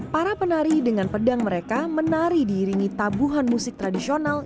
para penari dengan pedang mereka menari diiringi tabuhan musik tradisional